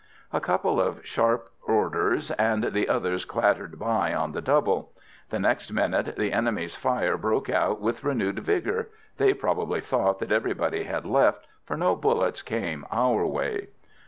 A couple of sharp orders, and the others clattered by at the double. The next minute the enemy's fire broke out with renewed vigour. They probably thought that everybody had left, for no bullets came our way.